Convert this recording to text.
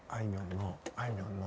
あいみょんの。